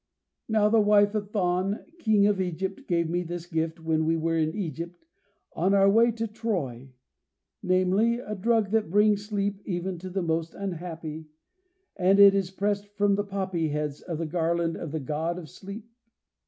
Now the wife of Thon, King of Egypt, gave me this gift when we were in Egypt, on our way to Troy, namely, a drug that brings sleep even to the most unhappy, and it is pressed from the poppy heads of the garland of the God of Sleep."